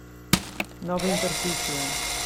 Nova interfície.